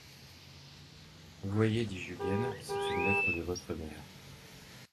Voyez, dit Julienne, c'est une lettre de votre mère.